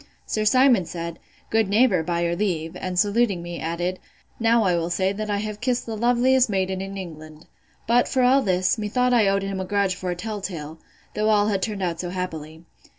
Sir Simon said, Good neighbour, by your leave; and saluting me, added, Now will I say, that I have kissed the loveliest maiden in England. But, for all this, methought I owed him a grudge for a tell tale, though all had turned out so happily.